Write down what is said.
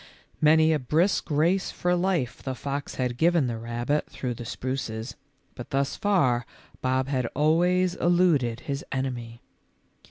Many a brisk race for life the fox had given the rabbit through the spruces, but thus far Bob had always eluded his enemy.